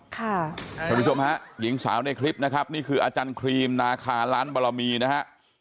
ท่านผู้ชมฮะหญิงสาวในคลิปนะครับนี่คืออาจารย์ครีมนาคาล้านบรมีนะฮะ